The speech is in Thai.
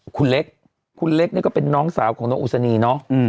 คุณเล็กคุณเล็กนี่ก็เป็นน้องสาวของน้องอุศนีเนาะ